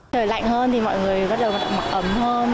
trời lạnh hơn thì mọi người bắt đầu mặc ấm hơn